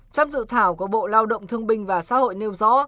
trong dự thảo của bộ lao động thương binh và xã hội nêu rõ